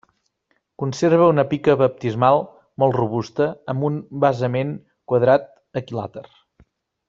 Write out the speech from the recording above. Conserva una pica baptismal molt robusta amb un basament quadrat equilàter.